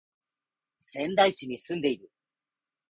仙台市に住んでいる